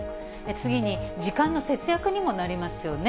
次に、時間の制約にもなりますよね。